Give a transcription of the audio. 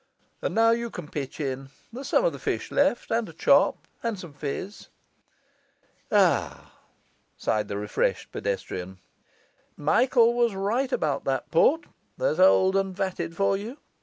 And now you can pitch in; there's some of the fish left and a chop, and some fizz. Ah,' sighed the refreshed pedestrian, 'Michael was right about that port; there's old and vatted for you!